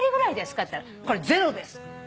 って言ったら「これゼロです」